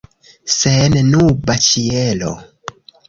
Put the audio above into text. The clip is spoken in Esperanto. Sennuba ĉielo.